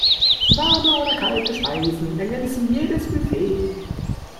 Warme oder kalte Speisen ergänzen jedes Buffet.